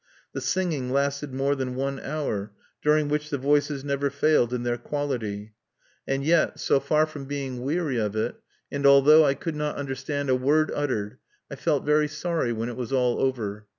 The singing lasted more than one hour, during which the voices never failed in their quality; and yet, so far from being weary of it, and although I could not understand a word uttered, I felt very sorry when it was all over.